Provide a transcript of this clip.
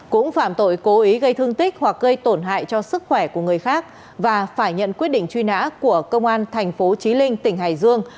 cũng phạm tội cố ý gây thương tích hoặc gây tổn hại cho sức khỏe của người khác và phải nhận quyết định truy nã của công an thành phố trí linh tỉnh hải dương